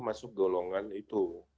masuk golongan itu